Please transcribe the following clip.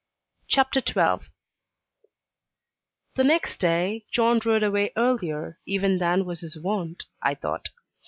CHAPTER XII The next day John rode away earlier even than was his wont, I thought.